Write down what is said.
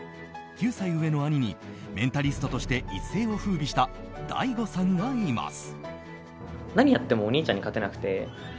９歳上の兄にメンタリストとして一世を風靡したＤａｉＧｏさんがいます。